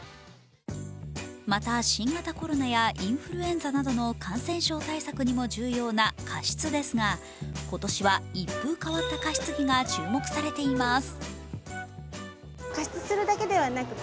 また、新型コロナインフルエンザなどの感染症対策にも重要な加湿ですが今年は一風変わった加湿器が注目されています。